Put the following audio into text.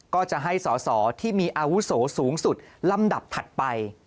ก็จะให้สอสอที่มีอาวุโสสูงสุดลำดับถัดไป